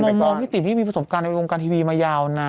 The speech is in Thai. มองพี่ติ๋มที่มีประสบการณ์ในวงการทีวีมายาวนาน